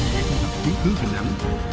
sẽ không đặt chứng cứ hình ảnh